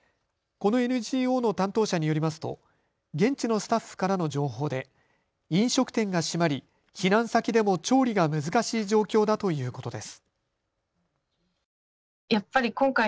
このＮＧＯの担当者によりますと現地のスタッフからの情報で飲食店が閉まり避難先でも調理が難しい状況だということです。